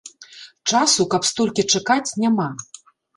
Часу, каб столькі чакаць, няма.